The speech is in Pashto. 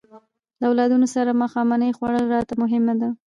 له اولادونو سره ماښامنۍ خوړل راته مهمه ده.